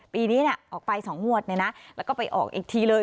ปีนี้ออกไป๒งวดแล้วก็ไปออกอีกทีเลย